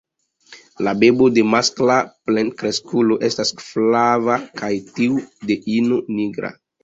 La beko de maskla plenkreskulo estas flava kaj tiu de ino nigra.